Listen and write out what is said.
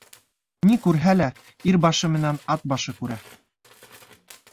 Ни күрһә лә, ир башы менән ат башы күрә.